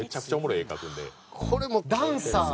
これも「ダンサー」。